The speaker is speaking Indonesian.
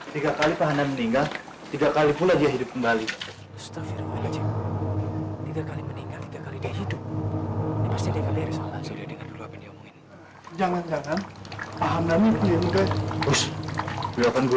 tidak beneran tiga kali pak hanan meninggal tiga kali pula dia hidup kembali